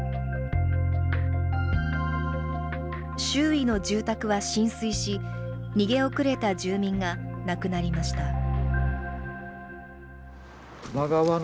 周囲の住宅は浸水し、逃げ遅れた住民が亡くなりました。